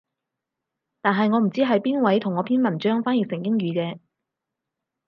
但係我唔知係邊位同我篇文章翻譯成英語嘅